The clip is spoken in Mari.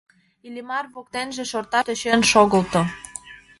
Иллимар воктенже шорташ тӧчен шогылто.